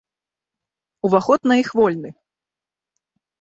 Уваход на іх вольны.